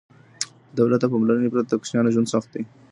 د دولت د پاملرنې پرته د کوچیانو ژوند سخت دی.